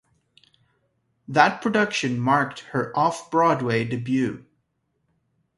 That production marked her off-Broadway debut.